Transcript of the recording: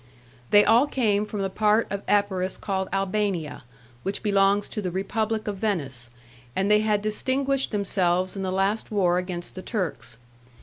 They all came from the part of Epirus called Albania, which belongs to the Republic of Venice, and they had distinguished themselves in the last war against the Turks.